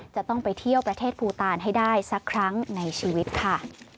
จะต้องไปเที่ยวประเทศภูตานให้ได้สักครั้งในชีวิตค่ะ